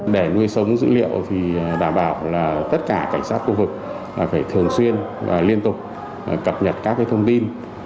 để nuôi sống dữ liệu thì đảm bảo là tất cả cảnh sát khu vực phải thường xuyên và liên tục cập nhật các thông tin